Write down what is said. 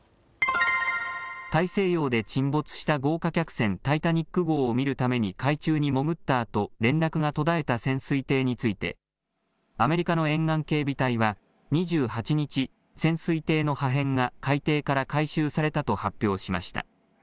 大西洋で沈没した豪華客船、タイタニック号を見るために海中に潜ったあと連絡が途絶えた潜水艇についてアメリカの沿岸警備隊は２８日、潜水艇の破片が海底から回収されたと発表しました。